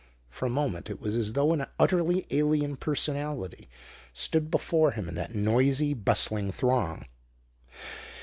For a moment it was as though an utterly alien personality stood before him in that noisy, bustling throng.